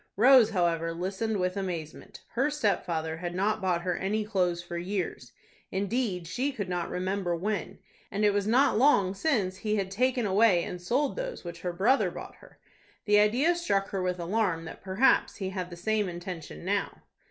Rose, however, listened with amazement. Her stepfather had not bought her any clothes for years,—indeed, she could not remember when,—and it was not long since he had taken away and sold those which her brother bought her. The idea struck her with alarm that perhaps he had the same intention now.